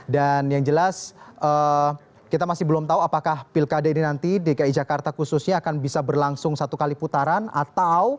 dan yang jelas kita masih belum tahu apakah pilkade ini nanti dki jakarta khususnya akan bisa berlangsung satu kali putaran atau